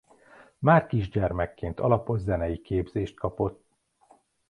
Már kisgyermekként alapos zenei képzést kapott.